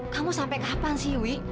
kamu sampai kapan sih wi